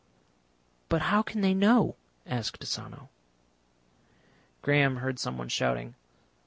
"But how can they know?" asked Asano. Graham heard someone shouting.